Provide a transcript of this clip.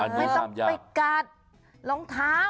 ไม่ต้องไปกัดรองเท้า